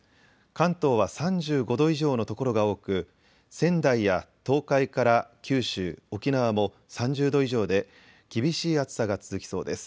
関東は３５度以上の所が多く仙台や東海から九州、沖縄も３０度以上で厳しい暑さが続きそうです。